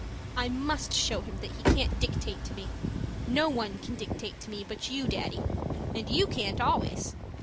I MUST show him that he can't dictate to me. No one can dictate to me but you, Daddy and you can't always!